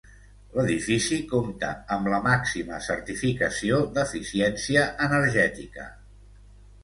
L'edifici compta amb la màxima certificació d'eficiència energètica.